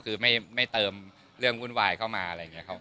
คือไม่เติมเรื่องวุ่นวายเข้ามาอะไรอย่างนี้